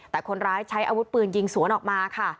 แต่คนร้ายใช้อาวุธปืนยิงสวนออกมาค่ะ